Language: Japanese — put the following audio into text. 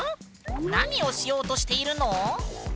何をしようとしているの？